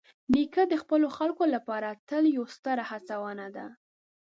نیکه د خپلو خلکو لپاره تل یوه ستره هڅونه ده.